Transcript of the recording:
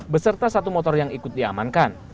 beserta satu motor yang ikut diamankan